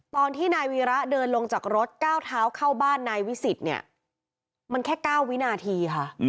ตอนที่นายวีระเดินลงจากรถก้าวเท้าเข้าบ้านนายวิสิทธิ์เนี่ยมันแค่๙วินาทีค่ะ